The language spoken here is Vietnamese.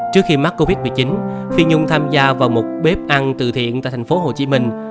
trước khi mắc covid một mươi chín phi nhung tham gia vào một bếp ăn từ thiện tại thành phố hồ chí minh